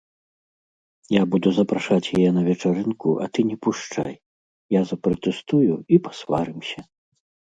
Я буду запрашаць яе на вечарынку, а ты не пушчай, я запратэстую, і пасварымся.